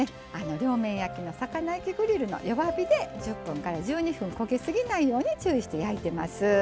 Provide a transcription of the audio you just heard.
両面焼きの魚焼きグリルの弱火で１０分から１２分焦げ過ぎないように注意して焼いてます。